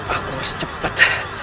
aku harus cepet